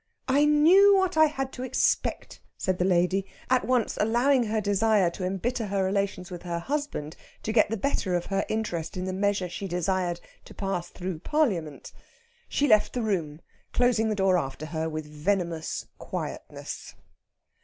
"I knew what I had to expect!" said the lady, at once allowing her desire to embitter her relations with her husband to get the better of her interest in the measure she desired to pass through Parliament. She left the room, closing the door after her with venomous quietness.